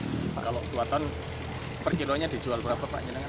pak kalau dua ton per kilonya dijual berapa pak